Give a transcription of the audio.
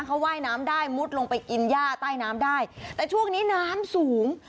เขาว่ายน้ำได้มุดลงไปกินย่าใต้น้ำได้แต่ช่วงนี้น้ำสูง